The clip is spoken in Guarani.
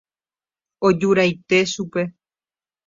Ojuraite chupe.